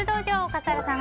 笠原さん